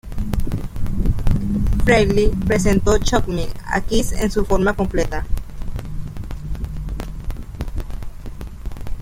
Frehley presentó "Shock Me" a Kiss en su forma completa.